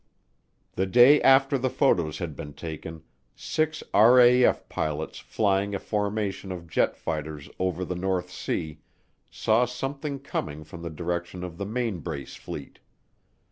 The day after the photos had been taken six RAF pilots flying a formation of jet fighters over the North Sea saw something coming from the direction of the Mainbrace fleet.